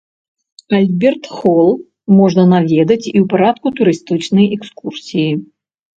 Альберт-хол можна наведаць і ў парадку турыстычнай экскурсіі.